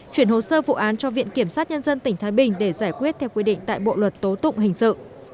chuyển hồ sơ vụ án cho viện kiểm sát nhân dân tỉnh thái bình để giải quyết theo quy định tại bộ luật tố tụng hình sự